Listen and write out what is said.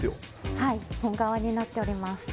はい本革になっております